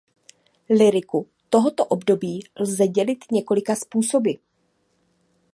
Lyriku tohoto období lze dělit několika způsoby.